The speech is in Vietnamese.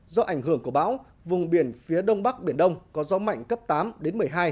do ảnh hưởng của bão vùng biển phía đông bắc biển đông có gió mạnh cấp tám đến một mươi hai